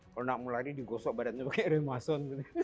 kalau enggak mau lari digosok badannya pakai remason